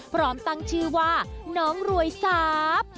พร้อมตั้งชื่อว่าน้องรวยซาบ